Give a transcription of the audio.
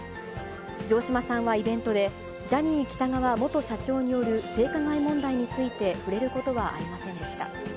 城島さんはイベントで、ジャニー喜多川元社長による性加害問題について触れることはありませんでした。